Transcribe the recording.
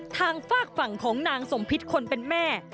ทางฝากฝั่งของนางสมพิษคนเป็นแม่